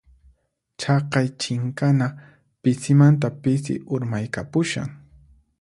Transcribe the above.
Chaqay chinkana pisimanta pisi urmaykapushan.